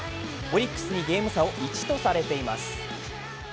オリックスにゲーム差を１とされています。